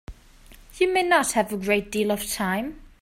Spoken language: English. You may not have a great deal of time.